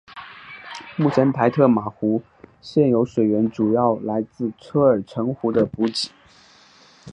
目前台特玛湖现有水源主要来自车尔臣河的补给。